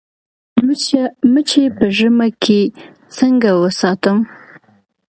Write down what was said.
مچۍ په ژمي کې څنګه وساتم؟